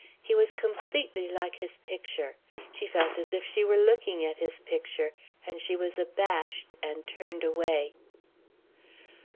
He was completely like his picture. She felt as if she were looking at his picture and she was abashed and turned away.